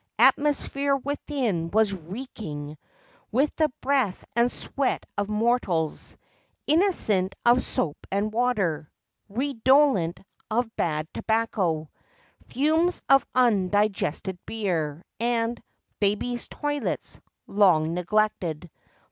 Atmosphere within was reeking With the breath and sweat of mortals Innocent of soap and water; Redolent of bad tobacco, Fumes of undigested beer, and Babies' toilets, long neglected.